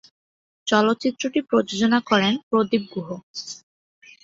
চলচ্চিত্রটি প্রযোজনা করেন প্রদীপ গুহ।